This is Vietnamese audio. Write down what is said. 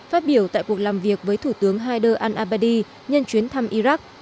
phát biểu tại cuộc làm việc với thủ tướng haider al abbadi nhân chuyến thăm iraq